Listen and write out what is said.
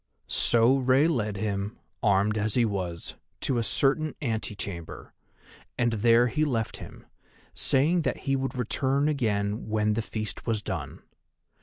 So Rei led him, armed as he was, to a certain antechamber, and there he left him, saying that he would return again when the feast was done.